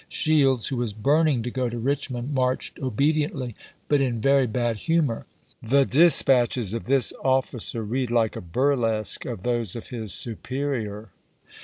Shields, who was burning to go to Eichmond, marched obediently, but in very bad humor. The dispatches of this officer read like a bui lesque of those of his superior.